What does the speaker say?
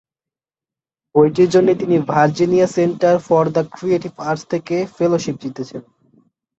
বইটির জন্যে তিনি Virginia Center for the Creative Arts থেকে ফেলোশিপ জিতেছেন।